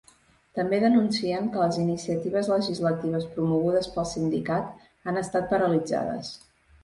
També denuncien que les iniciatives legislatives promogudes pel sindicat han estat paralitzades.